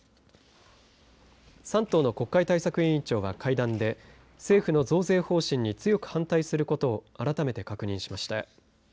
３党の国会対策委員長は会談で政府の増税方針に強く反対することを改めて確認しました。